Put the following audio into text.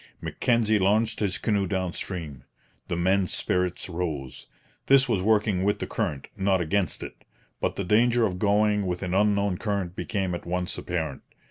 Mackenzie launched his canoe down stream. The men's spirits rose. This was working with the current, not against it; but the danger of going with an unknown current became at once apparent.